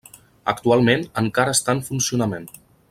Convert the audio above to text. Actualment encara està en funcionament.